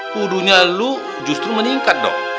pudunya lu justru meningkat dok